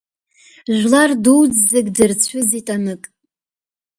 Жәлар дуӡӡак дырцәыӡит анык!